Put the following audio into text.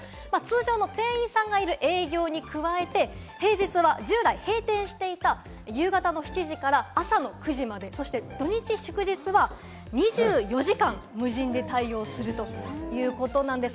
通常の店員さんがいる営業に加えて、平日は従来、閉店していた夕方７時から朝の９時まで、そして、土日祝日は２４時間無人で対応するということなんです。